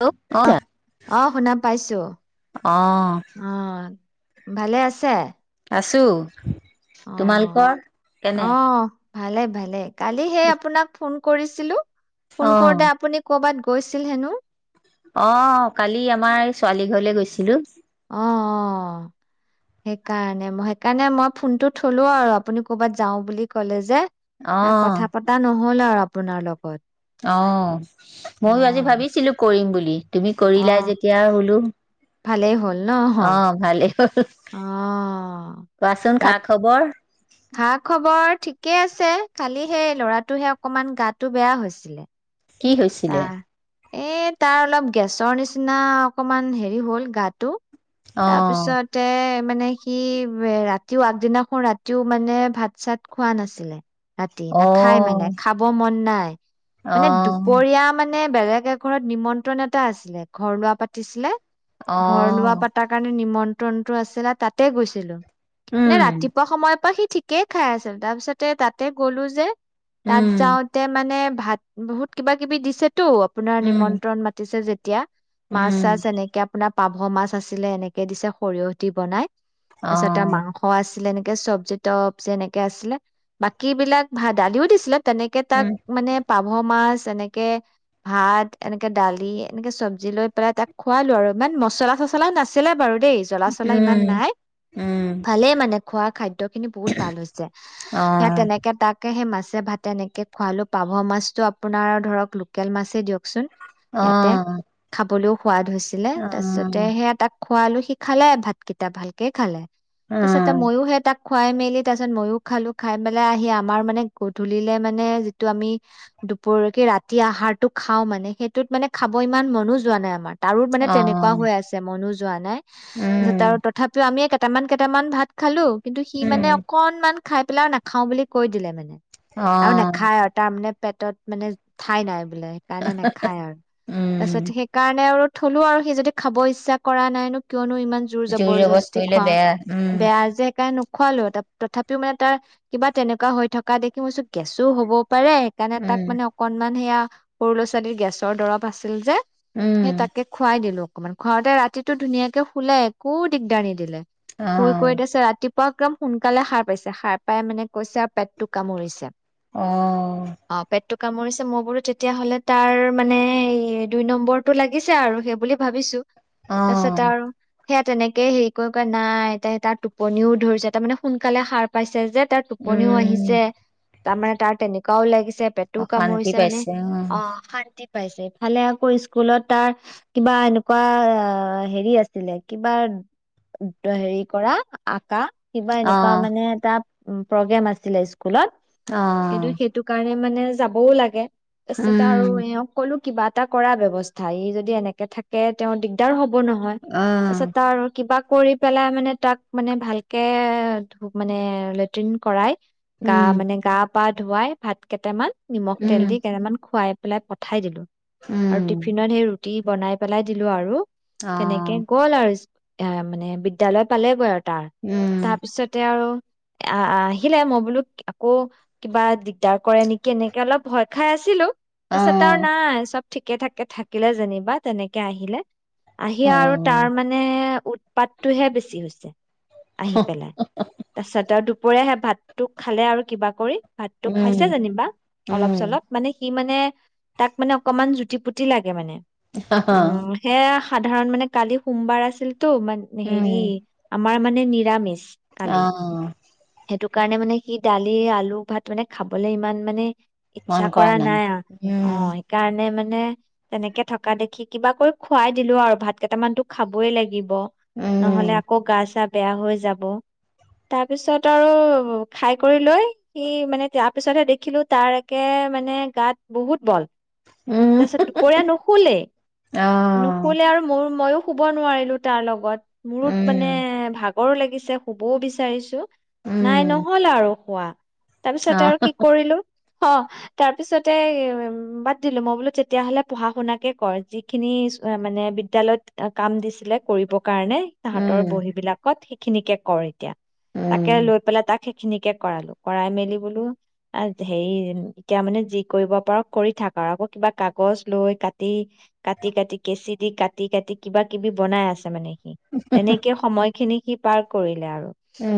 Hello অহ, অ', শুনা পাইছো অ অ অ'। ভালে আছে? আছো। অ তোমালোকৰ অ কেনে? ভালে, ভালে। কালি সে আপোনাক ফোন কৰিছিলো অ ফোন কৰোতে আপুনি কৰ'বাত গৈছিল হেনো। অ কালি আমাৰ ছোৱালী ঘৰলে গৈছিলো অ অ সেইকাৰণে মই সেইকাৰণে মই ফোনটো থলো আৰু আপুনি ক'বাত যাও বুলি ক'লে যে অ কথা পতা নহ'ল আৰু আপোনাৰ লগত। অ', অ ময়ো আজি ভাবিছিলো, কৰিম বুলি [unintelligible] তুমি অ কৰিলা যেতিয়া হলো ভালেই হ'ল ন অ ভালেই অ কোৱাচোন খা ৰাত খবৰ? খা খবৰ ঠিকে আছে খালি সেই ল'ৰাটোহে অকমান গাটো বেয়া হৈছিলে কি হৈছিলে তাৰ এ তাৰ অলপ গেছৰ নিচিনা অকমান হেৰি হ'ল গাটো অ তাৰপিছতে মানে সি ৰাতিও আগদিনাখন ৰাতিও মানে ভাত চাত খোৱা নাছিলে ৰাতি অ নাখায় মানে খাব মন নাই হয় অ এয়া মানে বেলেগ এ ঘৰত নিমন্ত্ৰণ এটা আছিলে ঘৰ লোৱা পাতিছিলে অ ঘৰ লোৱা পতাৰ কাৰণে নিমন নটো আছিলে তাতে গৈছিলো মানে উম ৰাতিপুৱা সময়ৰ পৰা সি ঠিকেই খাই আছিল, তাৰ পিছতে তাতে গ'লো যে তাত উম যাওঁতে মানে ভাত বহুত কিবা কিবি দিছে টো, আপোনাৰ উম নিমন্ত্ৰণ মাতিছে যে এতিয়া মাছ উম চাছ এনেকে আপোনাৰ পাভ মাছ আছিলে এনেকে দিছে সৰিয়হ দি বনাই অ তাৰপিছত এ মাংস আছিলে নেকি এ চব্জি টপ যেনেকে আছিলে বাকী বিলাক ভা দালিও দিছিলে তেনেকে তাক উম মানে পাভ মাছ তেনেকে ভাত এনেকে দালি এনেকে চব্জি লৈ পেলাই তাক খোৱালো আৰু ইমান মচলা চচলাও নাছিলে বাৰু দেই জলা চলা ইমান উম নাই উম ভালেই মানে খোৱা খাদ্য খিনি বহুত ভাল হৈছে অ সে তেনেকে তাকে সেই মা ভাতে এনেকে খুৱালো পাভৰ মাছটোৰ আপোনাৰ ধৰক লোকেল মাছেই দিয়কচোন ইয়াতে অ'। খাবলৈও সোৱাদ হৈছিলে অ তাৰপিছতে সেয়া তাক খোৱালো, সি খালে ভাতকেইটা, ভালকে খালে। অ তছতে, ময়ো হে তাক খুৱাই মেলি তাৰ পিছত মইও খালো খাই পেলাই আহি আমাৰ মানে গধূলিলে মানে যিটো আমি দুপৰকে ৰাতি আহাৰটো খাওঁ মানে, সেইটোত মানে খাব ইমান মনো যোৱা নাই আমাৰ। তাৰোত মানে তেনেকুৱা অ', হৈ আছে মনোজ যোৱা নাই। তাৰছত আৰু উম, তথাপিও আমিয়ে কেইটামান কেইটামান ভাত খালো। কিন্তু সি মানে উম, অকনমান খাই পেলাইও নাখাও বুলি কৈ দিলে মানে আৰু অ', নেখাই আৰু তাৰ মানে পেটত মানে ঠাই নাই। বোলে সেইকাৰণে নাখায় আৰু তাৰপিছত উম। সেইকাৰণে আৰু থলো আৰু সি যদি খাব ইচ্ছা কৰা নাইনো কিয়নো ইমান জোৰ জবজ জবৰদস্তি কৰিলে খোৱাও বেয়া, উম, বেয়া যে সেইকা খুৱালো তথাপিও মানে তাৰ কিবা তেনেকুৱা হৈ থকা দেখি মই ভাবিছো গেছো হব পাৰে। সেইকাৰণে তাক উম, মানে অকণমান এয়া সৰু ল'ৰা ছোৱালীৰ গেছৰ দৰব আছিল যে সেই উম, তাকে খুৱাই দিলো অকমান ঘৰতে ৰাতিটো ধুনীয়াকে শুলে একো দিগদাৰ নিদিলে শুই কৈ অ'। দিছে ৰাতিপুৱ পোৰা একদম সোনকালে সাৰ পাইছে সাৰ পাই মানে কৈছে আৰু পেটটো কামুৰিছে। অ অ পেটটো কামুৰিছে মই বোলো তেতিয়া হলে তাৰ মানে এই দুই নম্বৰটো লাগিছে আৰু সেইবুলি ভাবিছো। তাৰপাছতে অ', আৰু সেয়া তেনেকে হেৰি কৰি কৰি নাই এ তাৰ টোপনিও ধৰিছে তাৰমানে সোনকালে সাৰ পাইছে যে তাৰ টোপনিও উম, আহিছে তাৰ মানে তাৰ তেনেকোৱাও লাগিছে। পেটো অশান্তি কামুৰিছে মানে পাইছে অ অশান্তি পাইছে ইফালে আকৌ স্কুলত তাৰ কিবা এনেকুৱা হেৰি আছিলে কিবা হেৰি কৰা আকা কিবা এনেকুৱা অ', মানে তাত উ প্ৰগ্ৰেম আছিলে। স্কুলত কিন্তু অ'। সেইটো কাৰণে মানে যাবও লাগে। পিছত আৰু উম, এওক কলো কিবা এটা কৰা ব্যৱস্থা ই যদি এনেকে থাকে তেওঁ দিগদাৰ হ'ব। নহয় তাৰপিছত অ', তাৰ কিবা কৰি পেলাই মানে তাক মানে ভালকে মানে লেট্ৰিন কৰাই গা উম, মানে গা পা ধোৱাই ভাত। কেইটামান নিমখ তেল উম, দি কেইটামান খুৱাই পেলাই পঠাই দিলোঁ। উম, আৰু টিফিনত সেই ৰুটি [unintelligible] বনাই পেলাই দিলো আৰু। তেনেকে অ'। গ'ল আৰু এ, মানে বিদ্যালয় পালে গৈ আৰু। তাৰ, উম, তাৰপিছতে আৰু আ আহিলে, মই বোলো আকৌ কিবা দিগদাৰ কৰে নেক কেনেকে অলপ ভয় খাই আছিলোঁ, তাৰছত আৰু অ', নাই চব ঠিকে ঠাকে থাকিলে যেনিবা, তেনেকে আহিলে আহি অ', আৰু তাৰ মানে উৎ পাতটোহে বেছি হৈছে আহি পেলাই। তাছত আৰু দুপৰীয়া সেয়া ভাত টোক খালে আৰু কিবা কৰি ভাতটো উম, খাইছ ছে জেনিবা, উম। অলপ-চলপ, মানে সি মান নে, তাক মানে অকমান জুতি পুতি লাগে মানে উম সেয়া [inaudible] সাধাৰণ মানে, কালি সোমবাৰ আছিল ত', ইমান হেৰি উম, মাৰ মানে নিৰামিষ কালি অ' সেইটো কাৰণে মানে সি দালি, আলু ভাত, মানে খাব খাবলে ইমান মানে ইচ্ছা কৰা নাই, উম, অ', সেইকাৰণে মানে [unintelligible] তেনেকে থকা দেখি কিবা কৰি খুৱাই দিলো আৰু ভাত কেইটামানতো খাবই লাগিব নহলে উম, আকৌ গা চা বেয়া হৈ যাব। তাৰপিছত আৰু খাই কৰি লৈ কি মানে তাৰ পিছতহে দেখিলো, তাৰ একে মানে গাত বহুত বল। উম। তাৰপিছত দুপৰীয়া নুশুলে, নুশুলেই আৰু মোৰ মইও শুব নোৱাৰিলো তাৰ লগত। মোৰোত মানে ভাগ ভাগৰো লাগিছে শুবও বিচাৰিছো নাই নহ'ল আৰু। কোৱা [unintelligible] আৰু কি কৰিলো? অ', তাৰ পিছতে বাদ দিলোঁ। মই বোলো তেতিয়াহলে পঢ়া শুনাকে কৰ, যিখিনি মানে বিদ্যালয়ত কাম দিছিলে কৰিব। কাৰণে তাহাতৰ বহী বিলাকত খিনিকে কৰ এতিয়া। তাকে লৈ পেলাই তাক। সেইখিনিকে কৰালোঁ, কৰাই মেলি বোলো। আ, হেৰি এতিয়া মানে যি কৰিব পাৰোঁ কৰি থাক আৰু আকৌ কিবা কাগজ লৈ কাটি কাটি-কাটি কেঁচি দি কাটি-কাটি কিবা কিবি বনাই আছে মানে। তেনেকে সময়খিনি। সি পাৰ কৰিলে আৰু।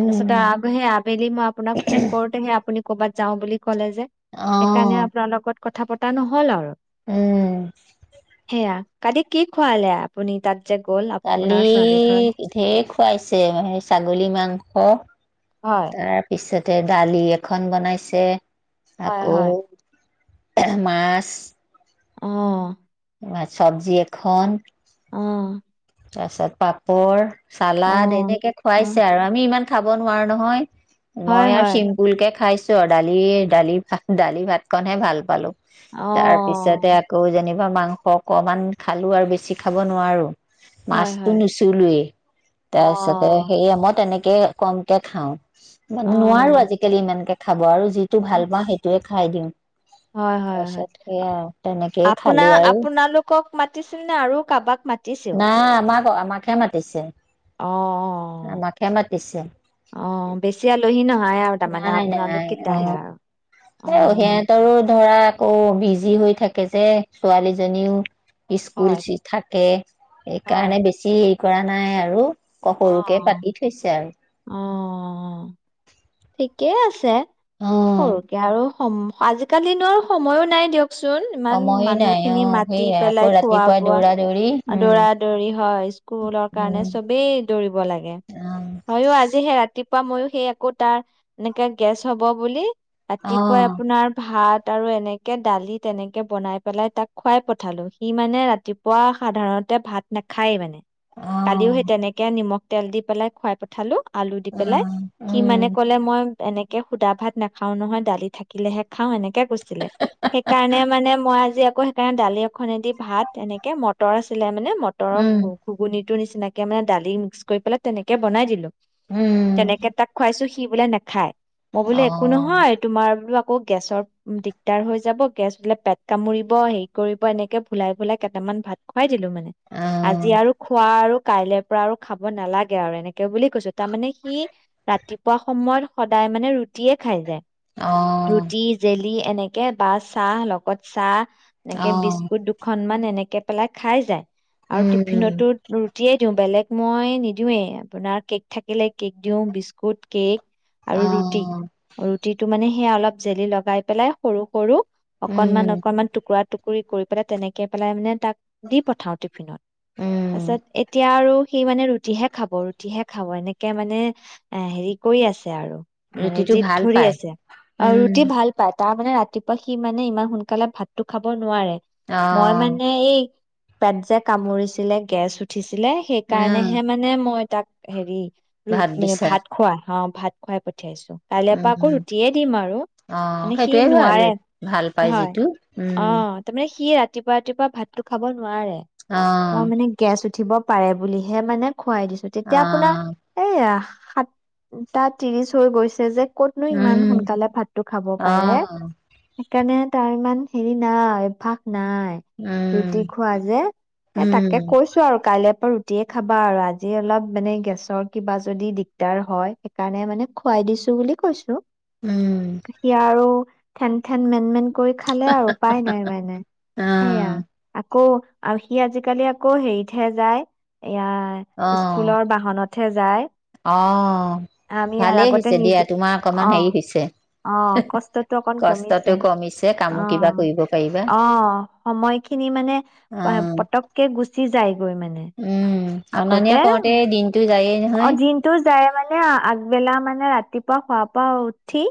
তাৰপিছতে আগহে আবেলি মই আপোনাক ফোন কৰোতে সেই আপুনি। ক'ৰবাত যাও বুলি ক'লে যে, সেইকাৰণে আপোনাৰ লগত কথা পতা নহ'ল আৰু। সেয়া। কালি কি খুৱালে আপুনি তাত? যে গ'ল আপোনাৰ কালি ছোৱালীখন ধেৰ খুৱাইছে সেই ছাগলী মাংস। হয় তাৰপিছত। তে দালি এখন বনাইছে। হয় আকৌ। হয় মাছ। অ'। চব্জি এখন। অ'। তাৰপিছত পাপৰ। অ চালাদ এনেকে অ খুৱাইছে আৰু আমি ইমান খাব নোৱাৰো নহয়। হয় মই আৰু হয় চিম্পুল কে খাইছোঁ। দালিৰ দালি ভাত দালি ভাতকনহে ভাল পালো। অ তাৰ পিছতে আকৌ জেনিবা। মাংস অকমান খালো আৰু বেছি খাব নোৱাৰো। হয় মাছটো হয় নুচুলোৱেই, অ তাৰপিছতে সেই মই তেনেকে এ কমকে খাওঁ। অ ইমান নোৱাৰো আজিকালি ইমানকে। খাব আৰু যিটো ভাল পাওঁ সেইটোয়ে খাই দিওঁ হয়, হয়, হয়, তাৰপিছত সেয়া তেনেকেই খালোঁ আপোনাৰ আৰু। আপোনালোকক মাতিছিল নে আৰু কাৰোবাক মাতিছিল? নাই আমাক আমাকহে মাতিছে অ', অ', আমাকে মাতিছে। অ', বেছি আলহী নহয় আৰু তাৰমানে নাই, আপোনালোক নাই, কেইটাহে অ', আৰু। অ', সিহঁতৰো ধৰা অ', বিজি হৈ থাকে যে ছোৱালীজনীও ইস্কুল হয়, চি থাকে। হয়, সেইকাৰণে বেছি [unintelligible] কৰা নাই আৰু। ক সৰুকে অ', পাতি থৈছে আৰু অ', ঠিক কে আছে সৰুকে আৰু আজিকালিনো আৰু সময়ো নাই দিয়ক ককচোন ইমান সময়ে নাই অ মানুহখিনি মাতি সেইয়াই আকৌ পেলাই খোৱা ৰাতিপুৱা বোৱা দৌৰা দৌৰি উম দৌৰা দৌৰি হয় স্কুলৰ কাৰণে চবেই দৌৰিব লাগে উম হয় আজি সেই ৰাতি পা মইও সেই আকৌ তাৰ, এনেকে গেছ হব বুলি ৰাতিপুৱাই অ আপোনাৰ ভাত ত আৰু এনেকে দালি তেনেকে বনাই পেলাই তাক খোৱাই পঠালো সি মানে ৰাতিপুৱা সাধাৰণতে ভাত নাখায় মানে অ কালিও সেই তেনেকে নিমখ তেল দি পেলাই খোৱাই পঠালোঁ আলু দি অ পেলাই, উম কি মানে উম কলে মই এনেকে সুদা ভাত নাখাও নহয়, দালি থাকিলেহে খাওঁ, এনেকে ছিলে, সেইকাৰণে মানে মই আজি আকৌ সেইকাৰণে দালি এখনেদি ভাত এনেকে মটৰ আছিলে মানে মটৰৰ উম ঘু-ঘুগুনি টো নিচিনাকে মানে দালি মিক্স কৰি পেলাই তেনেকৈ বনাই দিলোঁ উম তেনেকে তাক খুৱাইছো সি বোলে নাখায়। মই বোলো অ একো নহয়, তোমাৰ বোলো আকৌ গেছৰ দিগদাৰ হৈ যাব, গেছ বোলে পেট কামুৰিব, হেৰি কৰিব এনেকে ভুলাই ভুলাই কেইটামান ভাত খুৱাই [unintelligible] মানে, অ আজি আৰু খোৱা আৰু কাইলৈ পৰা আৰু খাব নালাগে আৰু এনেকে বুলি কৈছো তাৰমানানে সি ৰাতিপুৱা সময়ত সদায় মানে ৰুটিয়ে খাই যায় অ ৰুটি জেলি দি এনেকৈ বা চাহ লগত চাহ অ এনেকে বিস্কুট দুখনমান এনেকে পেলাই খাই যায় আৰু উম টিফিনতো ৰুটিয়ে তেওঁ বেলেগ মই নিদিৱে আপোনাৰ কেক থাকিলে কেক দিও বিস্কুট কেক আৰু অ ৰুটি ৰুটিটো মানে সে অলপ জেলি লগাই পেলাই, সৰু সৰু অকনমান উম অকনমান, টুকুৰা টুক কৰি কৰি পেলাই তেনেকে পেলাই মানে তাক দি পঠাও টিফিনত তাৰ উম পিছত এতিয়া আৰু সি মানে ৰুটিহে খাব ৰুটিহে খাব এনেকে মানে এ হেৰি কৰি আছে আৰু মানে ৰুটিটো জিদ ভাল ধৰি পায় আছে আৰু উম ৰুটি ভাল পাত তাৰ মানে ৰাতিপুৱা সি মানে, ইমান সোনকালে ভাততো খাব নোৱাৰে। অ মই মানে এই পেট যে কামুৰিছিলে গেছ উঠিছিলে সেই কাৰণেহে উম মানে মই তাক হেৰি ভাত মানে দিছা ভাত খোৱা অ ভাত খুৱাই পা পঠিয়াইছো কাইলৈৰ পৰা আকৌ উম ৰুটিয়ে দিম আৰু অ মানে সি সেইটোয়ে ভাল নোৱাৰে ভাল পাই হয় যিটো অ উম তাৰমানে সি ৰাতি ৰাতিপুৱ ৰাতিপুৱা ভাতটো খাব নোৱাৰে অ মই মানে গেছ উ উঠিব পাৰে বুলিহে মানে খুৱাই দিছো অ তেতিয়া আপোনাৰ এইয়া সাতটা ত্ৰিশ হৈ গৈছে যে ক'তনো ইমান উম সোনকালে ভাতটো খাব অ পাৰে। সেইকাৰণে তাৰ ইমান হেৰি নাই অভ্যাস নাই, ৰুটি উম খোৱা যে, এ তাকে উম কৈছো আৰু কাইলৈ [unintelligible] ৰাতিয়ে খাবা আৰু আজি অলপ মানে গেছৰ কিবা যদি দিগদাৰ হয়, সেইকাৰণে মানে খুৱাই দিছো বুলি কৈছো। উম সি আৰু ঠেন ঠেন মেন মেন কৰি খালে আৰু উপাই নাই মাই নাই অ সেয়া আকৌ আৰু সি আজিকালি আকৌ হেৰিতহে যায় এয়া অ স্কুলৰ বাহনত উঠে যায় অ আমি আৰু ভালেই আগতে হৈছে দিয়া নিজে তোমাৰ অকমান অঁ হেৰি হৈছে অঁ কষ্টতটো অকন কমিছে কষ্টটো কমিছে কামো কিবা অঁ কৰিব পাৰিবা অঁ সময়খিনি মানে অ পতককে গুছি চি যায় গৈ মানে উম অনানিয়া আগতে কওঁতে দিনতটো যায়ে নহয় অঁ আগবেলা মানে ৰাতিপুৱা শুৱ পৰা উঠি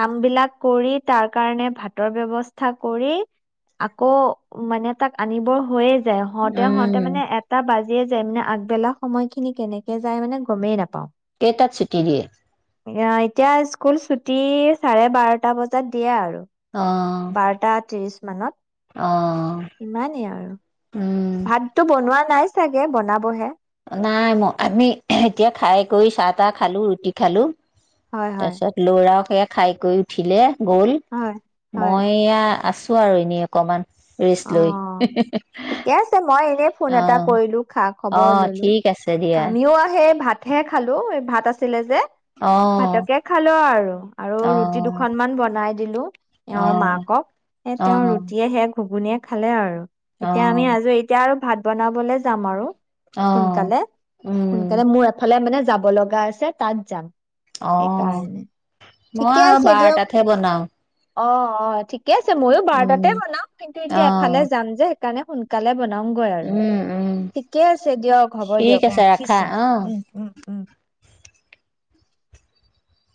কাম বিলাক কৰি তাৰ কাৰণে ভাতৰ ব্যৱস্থা কৰি আকৌ মানে তাক আনিবৰ হৈয়ে য হওঁতে উম হওঁতে মানে এটা ব এই যায় মানে আগবেলা সময়খিনি কেনেকে যায় মানে গমেই নাপাওঁ কেইতাত তাত ছুটি দিয়ে এতিয়া স্কুল ছুটি চাৰে বাৰটা বজাত দিয়ে আৰু অ বাৰটা ত্ৰিছ অ মানত ইমানেই আৰু উম ভাতটো বনোৱা নাই চাগে বনাবহে নাই মই আমি এতিয়া খাই কৰি চাহ তাহ খালো ৰুটি খালো হয় তাৰ হয় পিছত ল'ৰা এয়া খাই কৰি উঠিলে গ'ল হয় হয় মই এয়া আছো ো আৰু এনেই অকণমান অ ঠিকে আছে মই এনে ফোন অ এটা কৰিলো খা অ খবৰ ললো ঠিক আছে দিয়া আমিও আহি সেই ভাতহে খালো ভাত আছিলে যে অ ভাতকে খালো আৰু আৰু অ ৰুটি দুখনমানান বনাই দিলো অ এওঁৰ মাকক এ অ তেওৰ ৰুটিয়ে শেষ ঘুগুনীয়ে খালে আৰু অ এতিয়া আমি আজো এতিয়া আৰু ভাত বনাবলৈ যাম আৰু অ সোনকালে উম সোনকালে মোৰ এফালে মানে যাব লগা আছে, তাত যাম। অ', সেইকাৰণে মই ঠিকে আৰু আছে বাৰ দিয়ক তাতহে বনাও। অ অ ঠিক ঠিকে আছে ময়ো উম বাৰটাতে বনাম কিন্তু অ এতিয়া এফালে যাম যে সেইকাৰণে সোনকালে বন নমগৈ আৰু উম উম ঠিকে আছে দিয়ক হ'ব ঠিক দিয়ক আছে ৰাখা ৰাখিছো অ উম উম উম